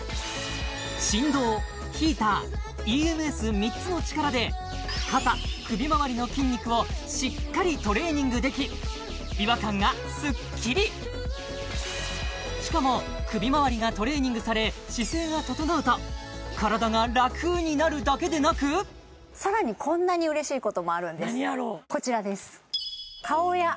３つの力で肩・首周りの筋肉をしっかりトレーニングでき違和感がスッキリしかも首周りがトレーニングされ姿勢が整うと体が楽になるだけでなくさらにこんなに嬉しいこともあるんですこちらです